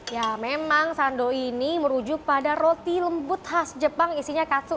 ya memang sandow ini merujuk pada roti lembut khas jepang isinya katsu